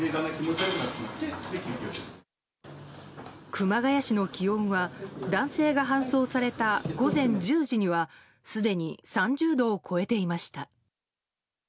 熊谷市の気温は男性が搬送された午前１０時にはすでに３０度を超えていました。